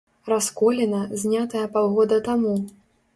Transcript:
Расколіна, знятая паўгода таму.